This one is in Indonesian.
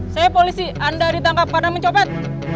saya polisi anda ditangkap karena mencopet